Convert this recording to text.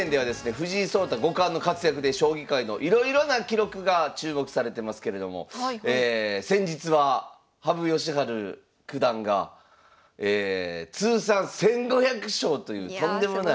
藤井聡太五冠の活躍で将棋界のいろいろな記録が注目されてますけれども先日は羽生善治九段が通算１，５００勝というとんでもない。